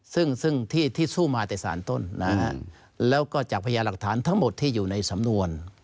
ซึ่งที่สู้มาแต่สารต้นนะฮะแล้วก็จากพญาหลักฐานทั้งหมดที่อยู่ในสำนวน